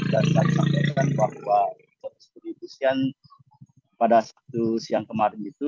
dan saya mengatakan bahwa pendistribusian pada sabtu siang kemarin itu